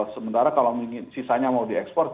sementara kalau sisanya mau diekspor